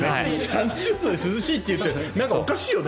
３０度で涼しいと言ってるけどおかしいよね。